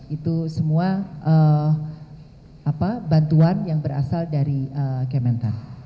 itu semua bantuan yang berasal dari kementan